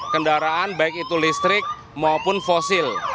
kendaraan baik itu listrik maupun fosil